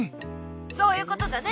そういうことだね！